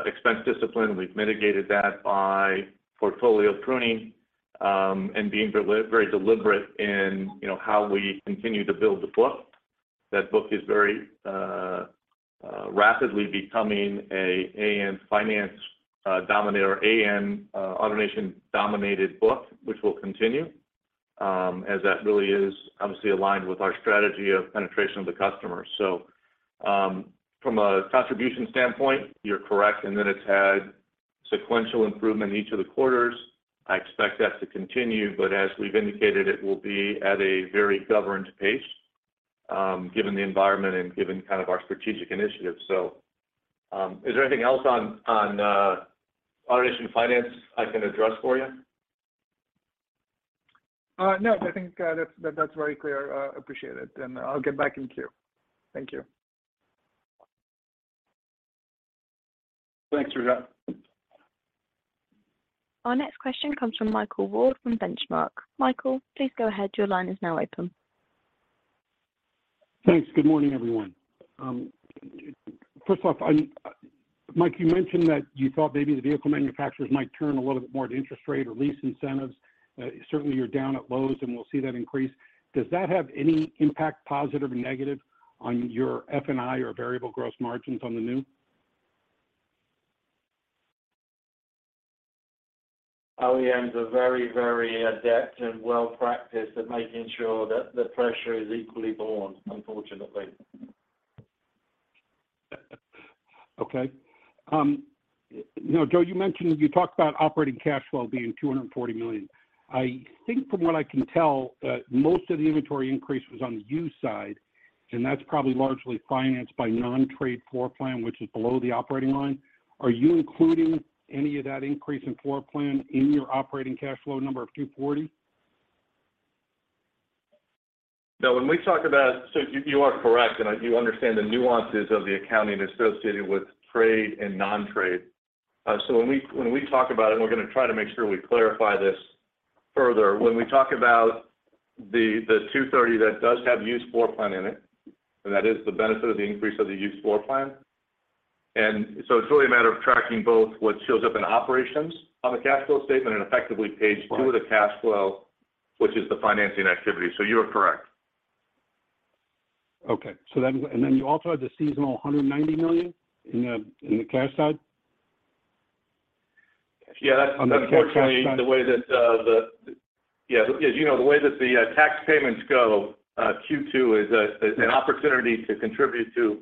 expense discipline. We've mitigated that by portfolio pruning, and being very deliberate in, you know, how we continue to build the book. That book is very, rapidly becoming a AN Finance, dominator, or AN AutoNation-dominated book, which will continue, as that really is obviously aligned with our strategy of penetration of the customer. From a contribution standpoint, you're correct in that it's had sequential improvement in each of the quarters. I expect that to continue, but as we've indicated, it will be at a very governed pace, given the environment and given kind of our strategic initiatives. Is there anything else on AutoNation Finance I can address for you? No, I think, that's very clear. Appreciate it. I'll get back in queue. Thank you. Thanks, Rajat. Our next question comes from Michael Ward from Benchmark. Michael, please go ahead. Your line is now open. Thanks. Good morning, everyone. First off, Mike, you mentioned that you thought maybe the vehicle manufacturers might turn a little bit more to interest rate or lease incentives. Certainly you're down at lows, and we'll see that increase. Does that have any impact, positive or negative, on your F&I or variable gross margins on the new? OEMs are very, very adept and well-practiced at making sure that the pressure is equally borne, unfortunately. Okay. Now, Joe, you talked about operating cash flow being $240 million. I think from what I can tell, that most of the inventory increase was on the used side, and that's probably largely financed by non-trade floor plan, which is below the operating line. Are you including any of that increase in floor plan in your operating cash flow number of $240? You are correct, and you understand the nuances of the accounting associated with trade and non-trade. When we talk about it, and we're going to try to make sure we clarify this further. When we talk about the $230 million, that does have used floor plan in it, and that is the benefit of the increase of the used floor plan. It's really a matter of tracking both what shows up in operations on the cash flow statement and effectively paid through of the cash flow, which is the financing activity. You are correct. You also had the seasonal $190 million in the cash side? Yeah, that's. On the cash side. The way that, Yeah, as you know, the way that the tax payments go, Q2 is an opportunity to contribute to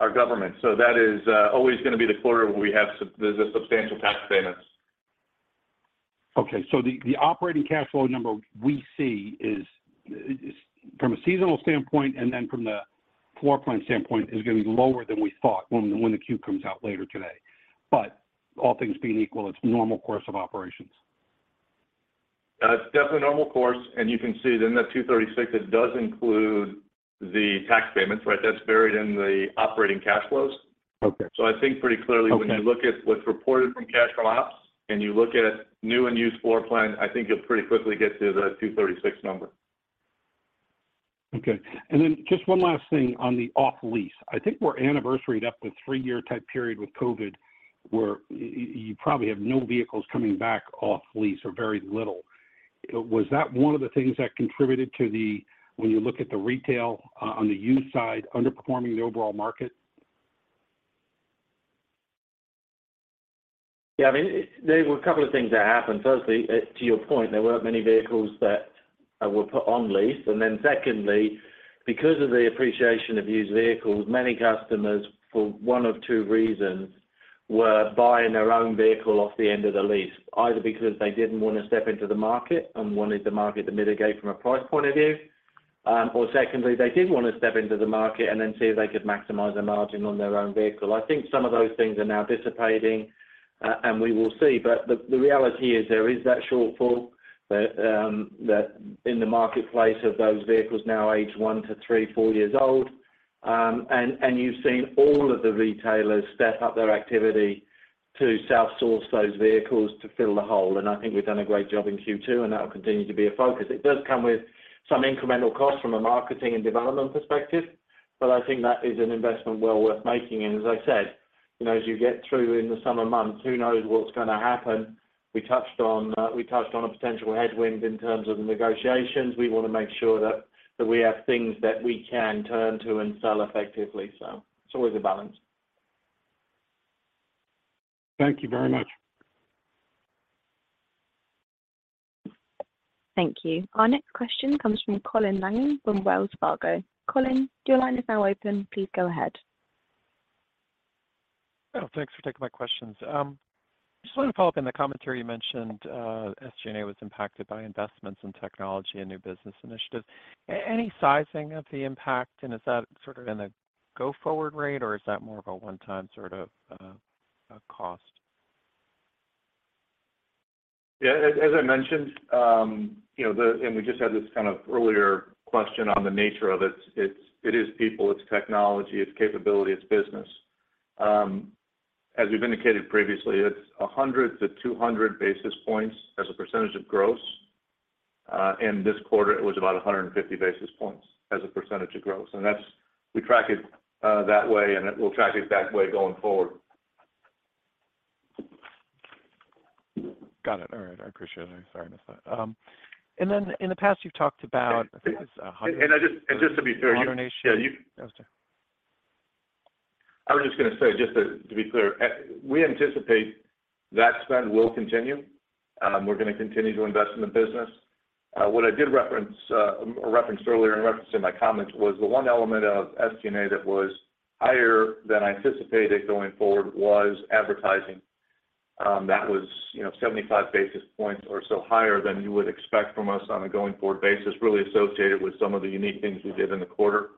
our government. That is always going to be the quarter where we have there's a substantial tax payment. The operating cash flow number we see is from a seasonal standpoint, and then from the floor plan standpoint, is going to be lower than we thought when the Q comes out later today. All things being equal, it's normal course of operations. It's definitely normal course, and you can see then the $236 million, it does include the tax payments, right? That's buried in the operating cash flows. Okay. I think pretty clearly- Okay when you look at what's reported from cash from ops and you look at new and used floor plan, I think you'll pretty quickly get to the $236 million number. Okay. Just one last thing on the off-lease. I think we're anniversaried up to a three-year type period with COVID, where you probably have no vehicles coming back off lease or very little. Was that one of the things that contributed to the when you look at the retail on the used side, underperforming the overall market? Yeah, I mean, there were a couple of things that happened. Firstly, to your point, there weren't many vehicles that were put on lease. Secondly, because of the appreciation of used vehicles, many customers, for one of two reasons, were buying their own vehicle off the end of the lease, either because they didn't want to step into the market and wanted the market to mitigate from a price point of view. Or secondly, they did want to step into the market and then see if they could maximize their margin on their own vehicle. I think some of those things are now dissipating, and we will see. The reality is there is that shortfall that in the marketplace of those vehicles now aged 1 to 3, 4 years old. You've seen all of the retailers step up their activity to self-source those vehicles to fill the hole. I think we've done a great job in Q2. That will continue to be a focus. It does come with some incremental cost from a marketing and development perspective. I think that is an investment well worth making. As I said, you know, as you get through in the summer months, who knows what's going to happen? We touched on a potential headwind in terms of the negotiations. We want to make sure that we have things that we can turn to and sell effectively. It's always a balance. Thank you very much. Thank you. Our next question comes from Colin Langan from Wells Fargo. Colin, your line is now open. Please go ahead. Thanks for taking my questions. Just wanted to follow up in the commentary you mentioned, SG&A was impacted by investments in technology and new business initiatives. Any sizing of the impact, and is that sort of in a go-forward rate, or is that more of a one-time sort of, a cost? Yeah, as I mentioned, you know, We just had this kind of earlier question on the nature of it. It is people, it's technology, it's capability, it's business. ...As we've indicated previously, it's 100-200 basis points as a percentage of gross. In this quarter, it was about 150 basis points as a percentage of gross. We track it that way, and we'll track it that way going forward. Got it. All right, I appreciate it. Sorry, I missed that. Then in the past, you've talked about, I think it's. Just to be clear. AutoNation. Yes, sir. I was just gonna say, just to be clear, we anticipate that spend will continue. We're gonna continue to invest in the business. What I did reference or referenced earlier and referenced in my comments, was the one element of SG&A that was higher than I anticipated going forward was advertising. That was, you know, 75 basis points or so higher than you would expect from us on a going-forward basis, really associated with some of the unique things we did in the quarter.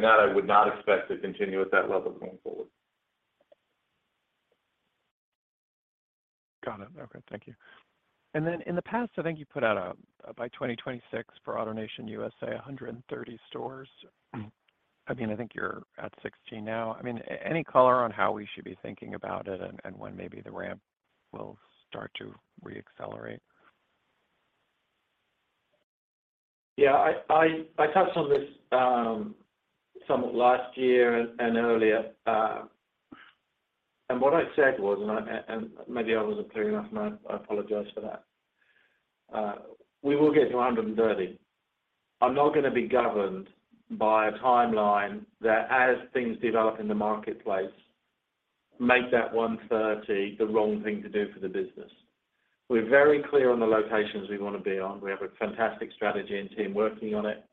That I would not expect to continue at that level going forward. Got it. Okay, thank you. Then in the past, I think you put out by 2026 for AutoNation USA, 130 stores. I mean, I think you're at 16 now. I mean, any color on how we should be thinking about it and when maybe the ramp will start to re-accelerate? I touched on this somewhat last year and earlier, and what I said was, and I, and maybe I wasn't clear enough, and I apologize for that. We will get to 130. I'm not gonna be governed by a timeline that as things develop in the marketplace, make that 130 the wrong thing to do for the business. We're very clear on the locations we wanna be on. We have a fantastic strategy and team working on it.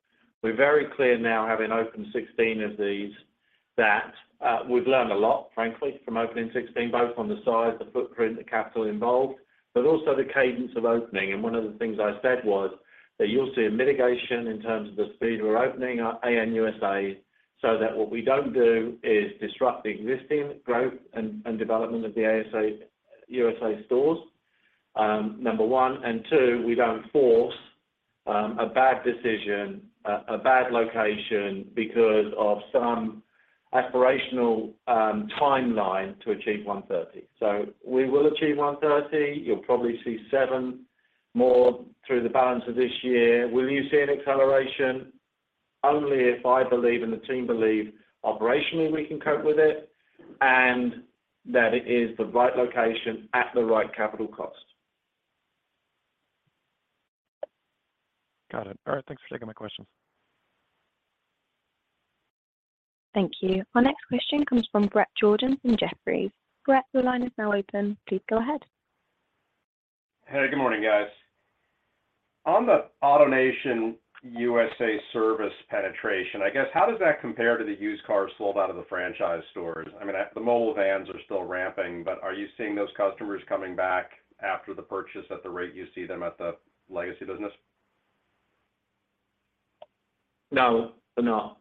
We're very clear now, having opened 16 of these, that we've learned a lot, frankly, from opening 16, both on the size, the footprint, the capital involved, but also the cadence of opening. One of the things I said was that you'll see a mitigation in terms of the speed we're opening our AN USA, so that what we don't do is disrupt the existing growth and development of the AN USA stores, number one. Two, we don't force a bad decision, a bad location because of some aspirational timeline to achieve 130. We will achieve 130. You'll probably see seven more through the balance of this year. Will you see an acceleration? Only if I believe, and the team believe, operationally, we can cope with it, and that it is the right location at the right capital cost. Got it. All right, thanks for taking my questions. Thank you. Our next question comes from Bret Jordan from Jefferies. Brett, the line is now open. Please go ahead. Hey, good morning, guys. On the AutoNation USA service penetration, I guess, how does that compare to the used cars sold out of the franchise stores? I mean, the mobile vans are still ramping, but are you seeing those customers coming back after the purchase at the rate you see them at the legacy business? No, no.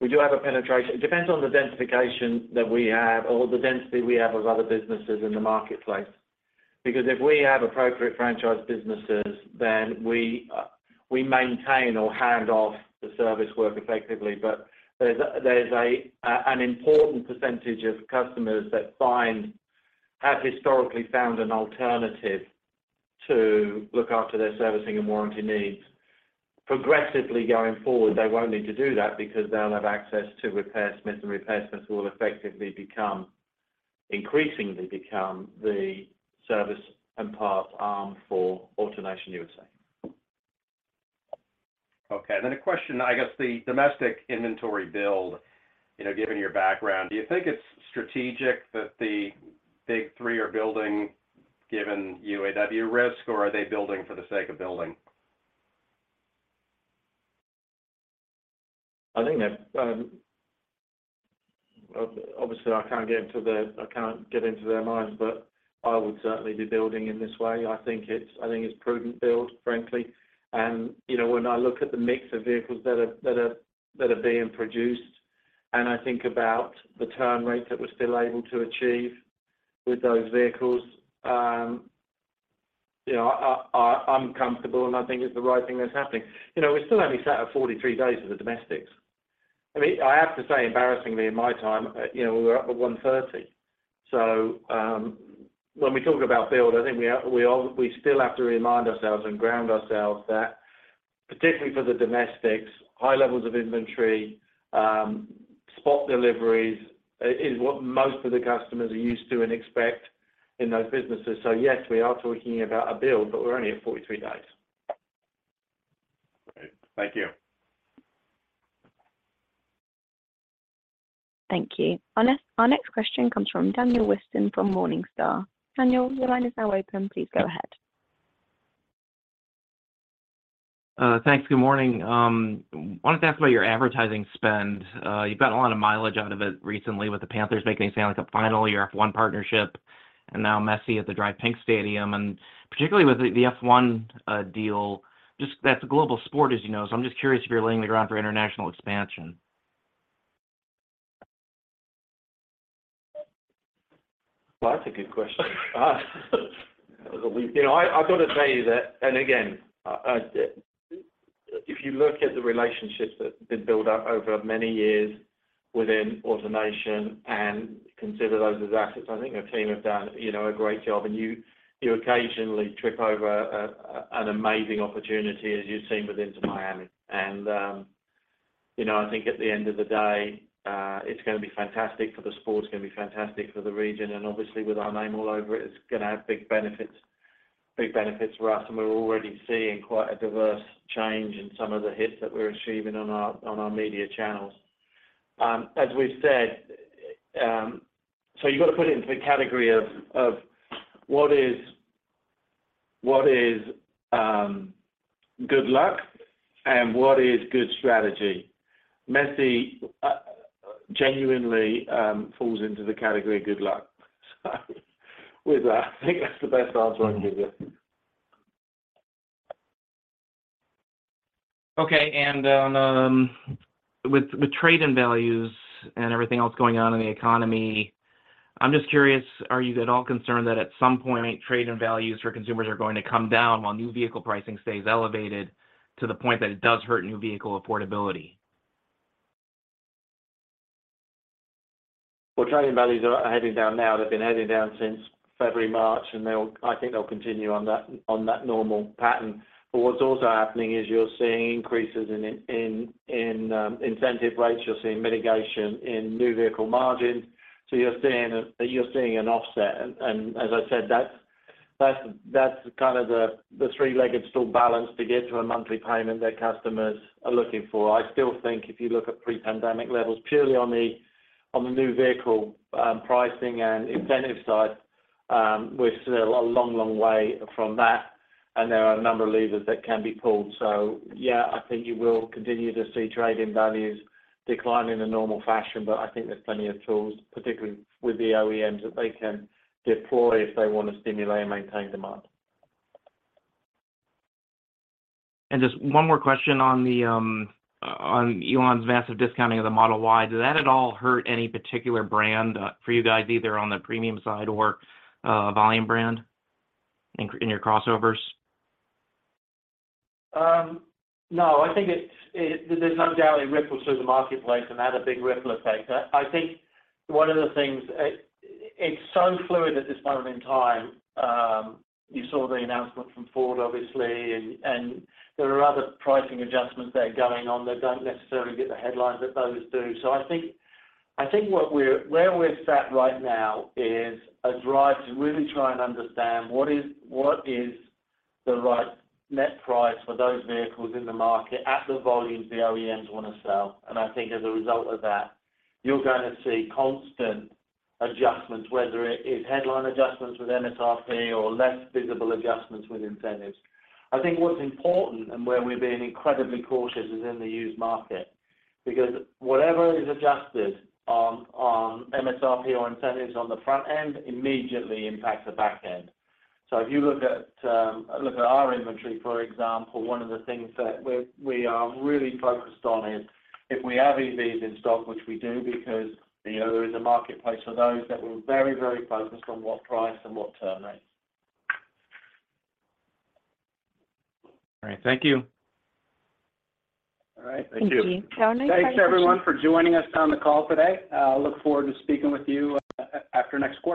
We do have a penetration. It depends on the densification that we have or the density we have of other businesses in the marketplace. If we have appropriate franchise businesses, then we maintain or hand off the service work effectively. There's an important percentage of customers that find, have historically found an alternative to look after their servicing and warranty needs. Progressively going forward, they won't need to do that because they'll have access to RepairSmith. RepairSmith will effectively become increasingly become the service and parts arm for AutoNation USA. Okay, a question, I guess the domestic inventory build, you know, given your background, do you think it's strategic that the big three are building given UAW risk, or are they building for the sake of building? I think that, obviously, I can't get into their, I can't get into their minds, but I would certainly be building in this way. I think it's, I think it's prudent build, frankly. You know, when I look at the mix of vehicles that are being produced, and I think about the turn rate that we're still able to achieve with those vehicles, you know, I'm comfortable, and I think it's the right thing that's happening. You know, we're still only sat at 43 days with the domestics. I mean, I have to say, embarrassingly, in my time, you know, we were up at 130. When we talk about build, I think we still have to remind ourselves and ground ourselves that, particularly for the domestics, high levels of inventory, spot deliveries, is what most of the customers are used to and expect in those businesses. Yes, we are talking about a build, but we're only at 43 days. Great. Thank you. Thank you. Our next question comes from Daniel Whiston from Morningstar. Daniel, your line is now open. Please go ahead. Thanks. Good morning. Wanted to ask about your advertising spend. You've got a lot of mileage out of it recently, with the Panthers making it sound like a final year F1 partnership and now Messi at the DRV PNK Stadium, and particularly with the F1 deal, just that's a global sport, as you know. I'm just curious if you're laying the ground for international expansion? Well, that's a good question. you know, I got to tell you that, if you look at the relationships that have been built up over many years within AutoNation and consider those as assets, I think our team have done, you know, a great job. you occasionally trip over an amazing opportunity, as you've seen with Inter Miami. you know, I think at the end of the day, it's gonna be fantastic for the sport, it's gonna be fantastic for the region, and obviously, with our name all over it's gonna have big benefits for us, and we're already seeing quite a diverse change in some of the hits that we're achieving on our, on our media channels. As we've said, you've got to put it into the category of what is, what is, good luck, and what is good strategy? Messi, genuinely, falls into the category of good luck. With that, I think that's the best answer I can give you. Okay, with trade-in values and everything else going on in the economy, I'm just curious, are you at all concerned that at some point, trade-in values for consumers are going to come down while new vehicle pricing stays elevated to the point that it does hurt new vehicle affordability? Trade-in values are heading down now. They've been heading down since February, March, and I think they'll continue on that, on that normal pattern. What's also happening is you're seeing increases in incentive rates. You're seeing mitigation in new vehicle margins. You're seeing an offset. And as I said, that's, that's kind of the three-legged stool balance to get to a monthly payment that customers are looking for. I still think if you look at pre-pandemic levels, purely on the, on the new vehicle, pricing and incentive side, we're still a long, long way from that, and there are a number of levers that can be pulled. Yeah, I think you will continue to see trade-in values decline in a normal fashion, but I think there's plenty of tools, particularly with the OEMs, that they can deploy if they want to stimulate and maintain demand. Just one more question on the on Elon's massive discounting of the Model Y. Do that at all hurt any particular brand for you guys, either on the premium side or volume brand in your crossovers? No, I think there's no doubt it ripples through the marketplace, and had a big ripple effect. I think one of the things, it's so fluid at this moment in time. You saw the announcement from Ford, obviously, and there are other pricing adjustments that are going on that don't necessarily get the headlines that those do. I think what we're sat right now is a drive to really try and understand what is the right net price for those vehicles in the market at the volume the OEMs want to sell. I think as a result of that, you're gonna see constant adjustments, whether it is headline adjustments with MSRP or less visible adjustments with incentives. I think what's important, and where we're being incredibly cautious, is in the used market, because whatever is adjusted on MSRP or incentives on the front end immediately impacts the back end. If you look at our inventory, for example, one of the things that we are really focused on is if we have EVs in stock, which we do, because, you know, there is a marketplace for those, that we are very focused on what price and what term rates. All right. Thank you. All right. Thank you. Thank you. Thanks, everyone, for joining us on the call today. I look forward to speaking with you after next week.